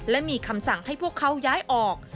และมีคำสั่งให้พวกเขาย้ายออก